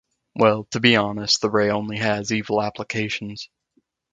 Well, to be honest, the ray only has evil applications.